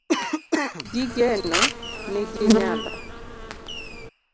Gi geno ni ginyalo